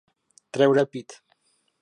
Treure el pit.